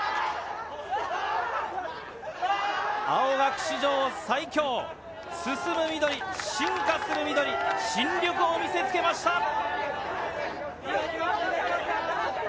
青学史上最強、進む緑、進化する緑、進緑を見せつけました。